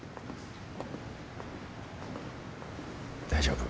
大丈夫。